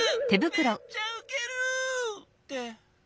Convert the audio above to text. めっちゃウケる！って。